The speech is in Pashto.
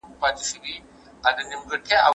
افغان هلکان د کار کولو مساوي حق نه لري.